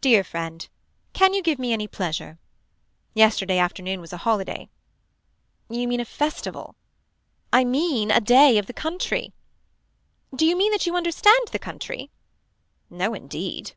Dear friend. Can you give me any pleasure. Yesterday afternoon was a holiday. You mean a festival. I mean a day of the country. Do you mean that you understand the country. No indeed.